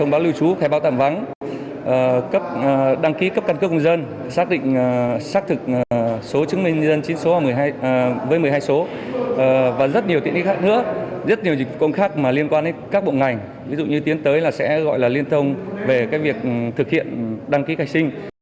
bộ ngành ví dụ như tiến tới là sẽ gọi là liên thông về cái việc thực hiện đăng ký khai sinh